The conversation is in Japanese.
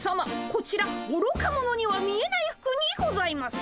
こちらおろか者には見えない服にございます。